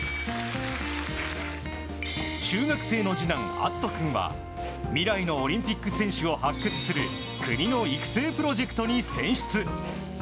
中学生の次男・敬君は未来のオリンピック選手を発掘する国の育成プロジェクトに選出。